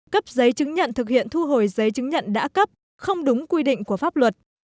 cấp giấy chứng nhận thực hiện thu hồi giấy chứng nhận đã cấp không đúng quy định của pháp luật